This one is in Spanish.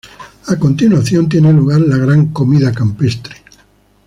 A continuación tiene lugar la gran comida campestre.